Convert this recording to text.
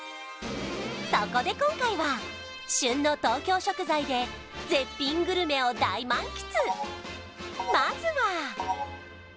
そこで今回は旬の東京食材で絶品グルメを大満喫！